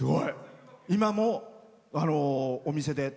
今もお店で？